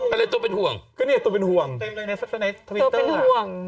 อะไรตัวเป็นห่วงก็เนี้ยตัวเป็นห่วงตัวเป็นห่วงตัวเป็นห่วง